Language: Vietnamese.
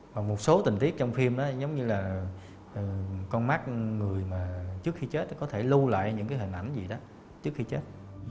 và một số tình tiết trong phim đó giống như là con mắt người mà trước khi chết thì có thể lưu lại những cái hình ảnh gì đó trước khi chết